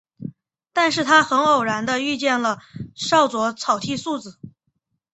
但是他很偶然地遇见了少佐草剃素子。